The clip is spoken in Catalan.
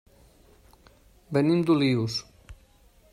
Venim d'Olius.